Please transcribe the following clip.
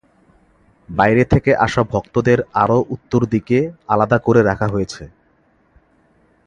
বাইরে থেকে আসা ভক্তদের আরও উত্তর দিকে আলাদা করে রাখা হয়েছে।